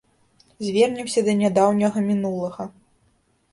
Звернемся да нядаўняга мінулага.